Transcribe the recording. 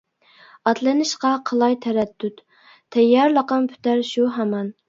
ئاتلىنىشقا قىلاي تەرەددۇت، تەييارلىقىم پۈتەر شۇ ھامان.